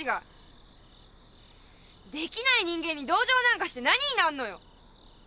できない人間に同情なんかして何になんのよ！